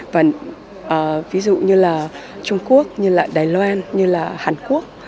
và ví dụ như là trung quốc như là đài loan như là hàn quốc